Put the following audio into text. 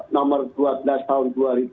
nomor dua belas tahun dua ribu dua puluh